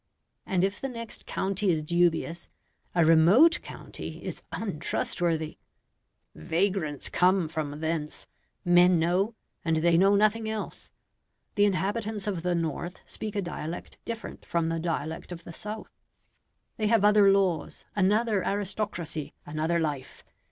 And if the next county is dubious, a remote county is untrustworthy. "Vagrants come from thence," men know, and they know nothing else. The inhabitants of the north speak a dialect different from the dialect of the south: they have other laws, another aristocracy, another life.